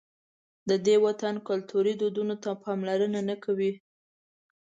د دې وطن کلتوري دودونو ته پاملرنه نه کوي.